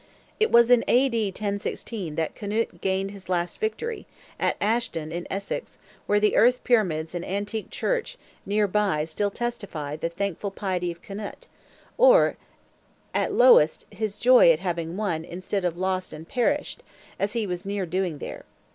It was well on in A.D. 1016 that Knut gained his last victory, at Ashdon, in Essex, where the earth pyramids and antique church near by still testify the thankful piety of Knut, or, at lowest his joy at having won instead of lost and perished, as he was near doing there.